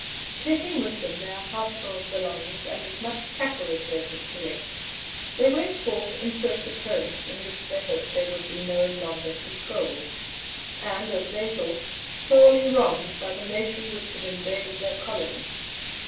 Taking with them their household belongings and as much cattle as they could collect, they went forth in search of homes in which they hoped they would be no longer controlled, and as they thought, sorely wronged by the nation which had invaded their Colony.